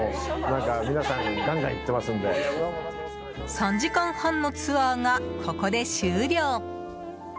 ３時間半のツアーがここで終了。